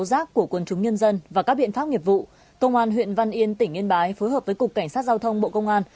giác của quân chúng nhân dân và các biện pháp nghiệp vụ công an huyện văn yên tỉnh yên bái phối hợp với cục cảnh sát giao thông bộ công an